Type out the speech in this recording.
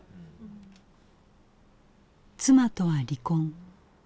妻とは離婚。